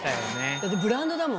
だってブランドだもん。